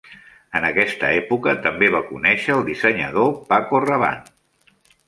En aquesta època també va conèixer el dissenyador Paco Rabanne.